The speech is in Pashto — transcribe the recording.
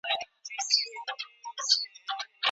په مرکه کي د چا ستاينه کيږي؟